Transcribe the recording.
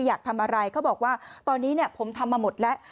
อยากทำอะไรเขาบอกว่าตอนนี้ผมทำมาหมดแล้ว